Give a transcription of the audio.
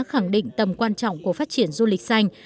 khẳng định tầm quan trọng của phát triển du lịch xanh